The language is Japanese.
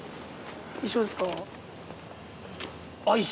一緒ですか？